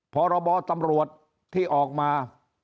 พรบตำรวจที่ออกมา